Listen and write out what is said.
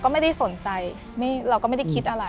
ก็ไม่ได้สนใจเราก็ไม่ได้คิดอะไร